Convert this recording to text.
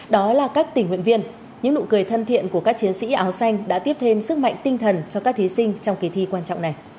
đó là các tình nguyện viên những nụ cười thân thiện của các chiến sĩ áo xanh đã tiếp thêm sức mạnh tinh thần cho các thí sinh trong kỳ thi quan trọng này